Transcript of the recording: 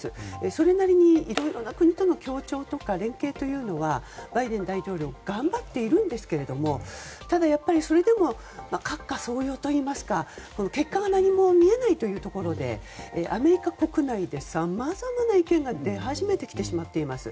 それなりにいろいろな国との協調や連携というのはバイデン大統領は頑張っているんですけどもただやっぱり、それでも隔靴掻痒というか結果が何も見えないところでアメリカ国内でさまざまな意見が出始めてきてしまっています。